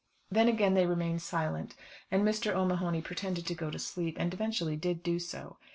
Then again they remained silent, and Mr. O'Mahony pretended to go to sleep and eventually did do so.